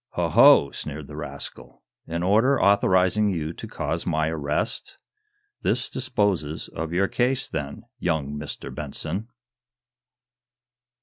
"Ho ho!" sneered the rascal, "an order authorizing you to cause my arrest? This disposes of your case, then, young Mr. Benson!"